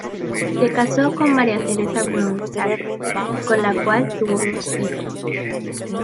Se casó con María Teresa Brown Cases con la cual tuvo dos hijos.